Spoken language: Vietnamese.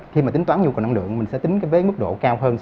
khi mà tính toán nhu cầu năng lượng mình sẽ tính cái mức độ cao hơn